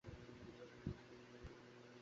সেটা কেন মনে হলো?